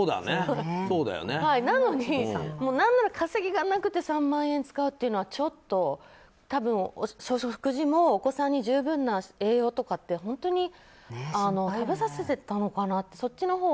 なのに、何なら稼ぎがなくて３万円使うっていうのは食事もお子さんに十分な栄養とかって食べさせてたのかな。